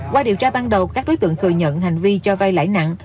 qua điều tra ban đầu các đối tượng thừa nhận hành vi cho vay lãi nặng